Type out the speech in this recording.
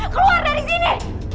keluar dari sini